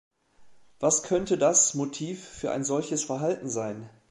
Was könnte das Motiv für ein solches Verhalten sein?